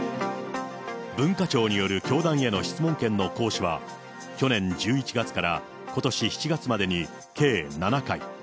文化庁による教団への質問権の行使は、去年１１月からことし７月までに計７回。